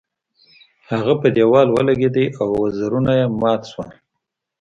هغه په دیوال ولګیده او وزرونه یې مات شول.